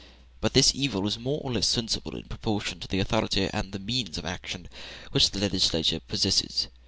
But this evil is more or less sensible in proportion to the authority and the means of action which the legislature possesses.